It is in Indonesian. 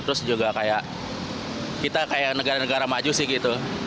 terus juga kayak kita kayak negara negara maju sih gitu